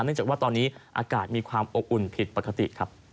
เนื่องจากว่าตอนนี้อากาศมีความอบอุ่นพิษปกติ